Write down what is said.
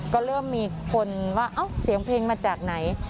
ก็เริ่มมีคนว่าเสียงเพลงมาจากไหน